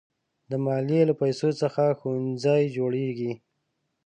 د مالیې له پیسو څخه ښوونځي جوړېږي.